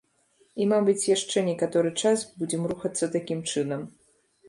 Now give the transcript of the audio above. І мабыць яшчэ некаторы час будзем рухацца такім чынам.